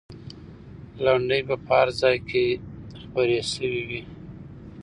لنډۍ به په هر ځای کې خپرې سوې وي.